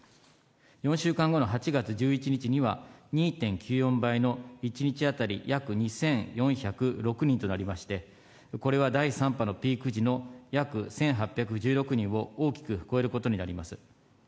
４週間後の８月１１日には、２．９４倍の１日当たり約２４０６人となりまして、これは第３波のピーク時の約１８１６人を大きく超えることになります。